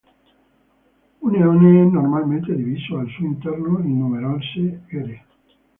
Un eone è normalmente diviso, al suo interno, in numerose ere.